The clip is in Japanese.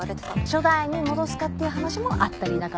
初代に戻すかっていう話もあったりなかったり。